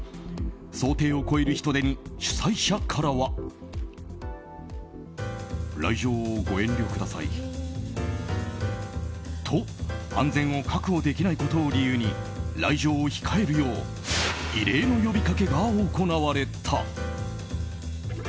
想定を超える人出に主催者からは。と、安全を確保できないことを理由に来場を控えるよう異例の呼びかけが行われた。